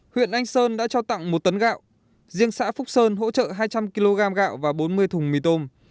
huyện anh sơn đã cho tặng một tấn gạo riêng xã phúc sơn hỗ trợ hai trăm linh kg gạo và bốn mươi thùng mì tôm